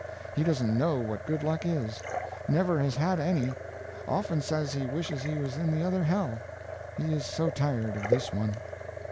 He doesn't know what good luck is never has had any; often says he wishes he was in the other hell, he is so tired of this one."